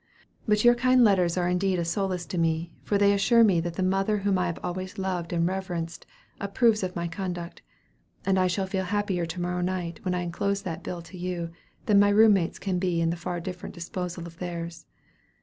"But your kind letters are indeed a solace to me, for they assure me that the mother whom I have always loved and reverenced approves of my conduct. I shall feel happier to morrow night, when I enclose that bill to you, than my room mates can be in the far different disposal of theirs.